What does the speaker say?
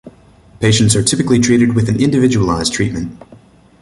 Patients are typically treated with an individualized treatment.